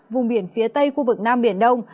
vùng biển phía tây khu vực nam biển đông